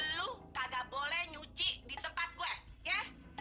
lu kagak boleh nyuci di tempat gue ya